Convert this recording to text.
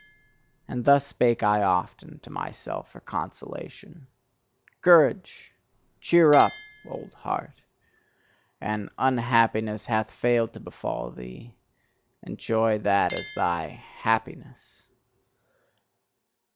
And thus spake I often to myself for consolation: "Courage! Cheer up! old heart! An unhappiness hath failed to befall thee: enjoy that as thy happiness!"